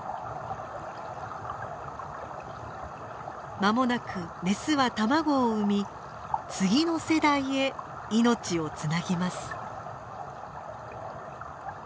間もなくメスは卵を産み次の世代へ命をつなぎます。